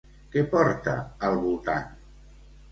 Què porta al voltant?